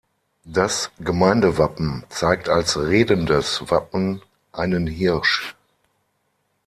Das Gemeindewappen zeigt als redendes Wappen einen Hirsch.